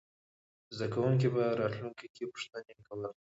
زده کوونکي به راتلونکې کې پوښتنې کوله.